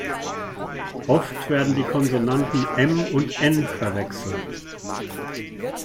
Oft werden die Konsonanten M und N verwechselt.